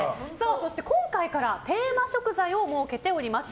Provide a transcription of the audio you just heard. そして今回からテーマ食材を設けております。